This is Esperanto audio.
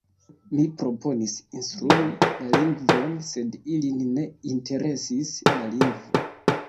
Mi proponis instrui la lingvon sed ilin ne interesis la lingvo.